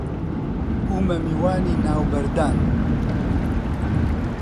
بوومە میوانی ناو بەردان